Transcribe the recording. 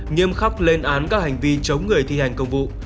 nghiêm khắc lên án các hành vi chống người thi hành công vụ